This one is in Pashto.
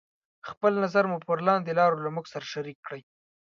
خپل نظر مو پر لاندې لارو له موږ سره شريکې کړئ: